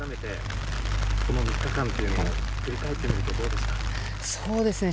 この３日間というの振り返ってどうですか。